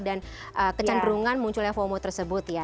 dan kecenderungan munculnya fomo tersebut ya